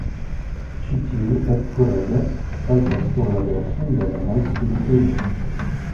Ĉi tiu ekkuregas, saltas sur la dorson de la malspritulo.